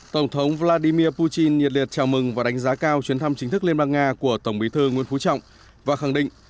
tổng thống vladimir putin nhiệt liệt chào mừng và đánh giá cao chuyến thăm chính thức liên bang nga của tổng bí thư nguyễn phú trọng và khẳng định